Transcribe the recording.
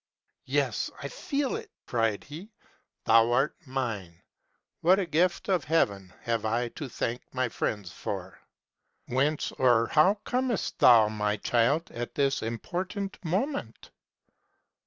" Yes ! I feel it," cried he, " thou art mine! What a gift of Heaven have I to thank my friends for ! Whence or how comest thou, my child, at this important moment?